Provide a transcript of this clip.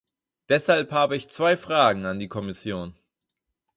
Deshalb habe ich zwei Fragen an die Kommission.